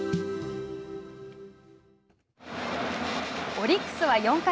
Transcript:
オリックスは４回。